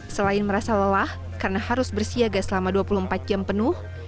selain merasa lelah karena harus bersiaga selama dua puluh empat jam penuh